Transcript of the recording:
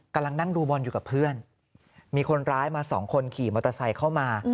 กำลังนั่งดูบอลอยู่กับเพื่อนมีคนร้ายมาสองคนขี่มอเตอร์ไซค์เข้ามา